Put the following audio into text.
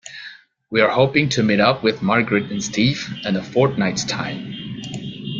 We are hoping to meet up with Margaret and Steve in a fortnight's time.